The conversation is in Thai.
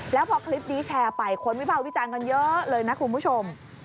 แล้วพอคลิปนี้แชร์ไปคนวิภาควิจารณ์กันเยอะเลยนะคุณผู้ชม